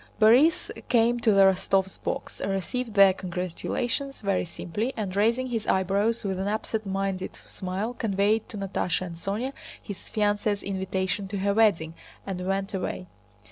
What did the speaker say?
Borís came to the Rostóvs' box, received their congratulations very simply, and raising his eyebrows with an absent minded smile conveyed to Natásha and Sónya his fiancée's invitation to her wedding, and went away.